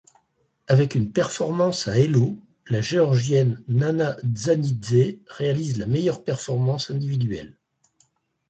Avec une performance à elo, la Géorgienne Nana Dzagnidzé réalise la meilleure performance individuelle.